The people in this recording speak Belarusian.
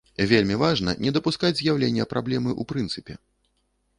Вельмі важна не дапускаць з'яўлення праблемы ў прынцыпе.